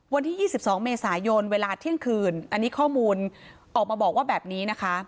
วันที่๒๒เมษายนเวลาเที่ยงคืนอันนี้ข้อมูลออกมาบอกว่าแบบนี้นะคะ